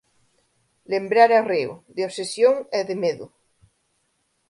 Lembrar arreo, de obsesión e de medo.